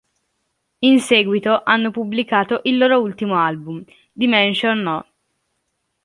In seguito, hanno pubblicato il loro ultimo album, "Dimension No.